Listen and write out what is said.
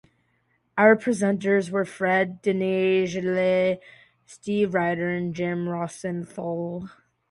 Other presenters were Fred Dinenage, Steve Rider and Jim Rosenthal.